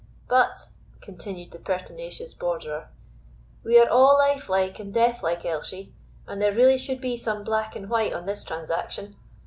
"But," continued the pertinacious Borderer, "we are a' life like and death like, Elshie, and there really should be some black and white on this transaction.